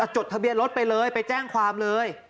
จดทะเบียนรถไปเลยไปแจ้งความเลย